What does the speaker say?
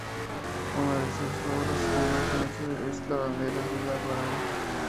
Una de sus obras más conocidas es "Lavanderas de La Varenne".